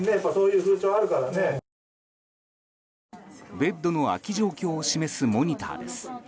ベッドの空き状況を示すモニターです。